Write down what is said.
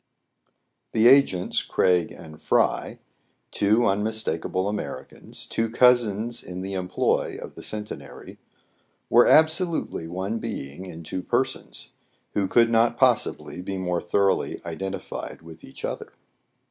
The agents Craig and Fry — two unmistakable Americans, two cousins in the employ of the Cen tenary — were absolutely only one being in two per sons, who could not possibly be more thoroughly 90 TRIBULATIONS OF A CHINAMAN, identified with each other.